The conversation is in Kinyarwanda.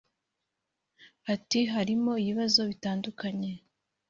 Ati “Harimo ibibazo bitandukanye